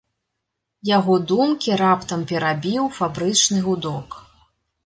Яго думкі раптам перабіў фабрычны гудок.